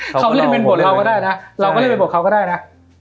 เขาจะเป็นบทเราก็ได้นะเราก็จะเป็นบทเขาก็ได้นะ